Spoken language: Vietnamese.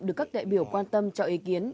được các đại biểu quan tâm cho ý kiến